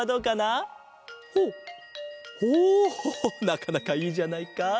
なかなかいいじゃないか。